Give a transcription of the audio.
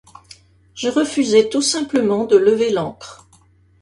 Je refusai tout simplement de lever l’ancre.